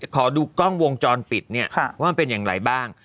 ขอดูกล้องวงจรปิดเนี่ยว่ามันเป็นอย่างไรบ้าง